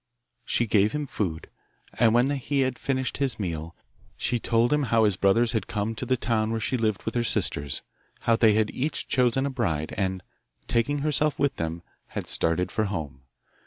She gave him food, and when he had finished his meal she told him how his brothers had come to the town where she lived with her sisters, how they had each chosen a bride, and, taking herself with them, had started for home.